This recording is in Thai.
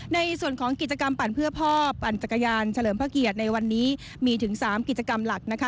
ในส่วนของกิจกรรมปั่นเพื่อพ่อปั่นจักรยานเฉลิมพระเกียรติในวันนี้มีถึง๓กิจกรรมหลักนะคะ